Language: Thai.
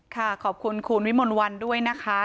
ขอบคุณคุณวิมลวันด้วยนะคะ